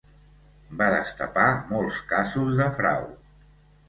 Va destapar molts casos de frau.